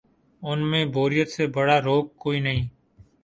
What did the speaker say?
ان میں بوریت سے بڑا روگ کوئی نہیں۔